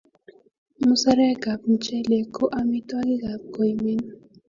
musarekap mchelek ko amitwogikap koimen